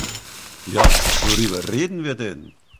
Ja, worüber reden wir denn?